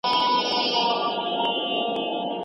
که باران وشي نو د مېوو باغونه به زرغون شي.